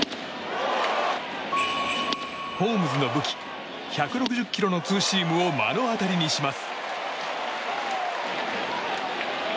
ホームズの武器１６０キロのツーシームを目の当たりにします。